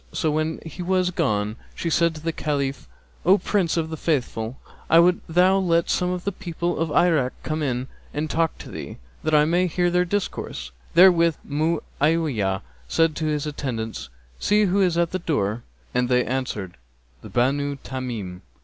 So, when he was gone, she said to the Caliph, 'O Prince of the Faithful, I would thou let some of the people of Irak come in and talk to thee, that I may hear their discourse.' Therewith Mu'awiyah said to his attendants, 'See who is at the door?' And they answered, 'The Banu Tamim.'